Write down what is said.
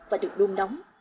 và được đun nóng